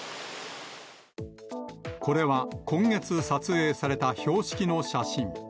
これは今月撮影された標識の写真。